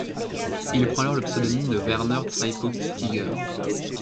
Il prend alors le pseudonyme de Werner Zweiköpfiger.